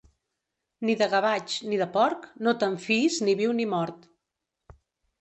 Ni de gavatx ni de porc, no te'n fiïs ni viu ni mort.